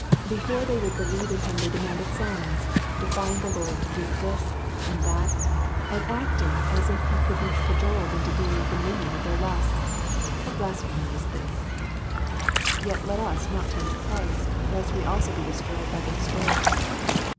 Before they would believe in him they demanded signs, defying the Lord to do this and that, and acting as if he could be cajoled into being the minion of their lusts. What blasphemy was this 1 Yet let us not tempt Christ lest wo also be destroyed by the destroyer.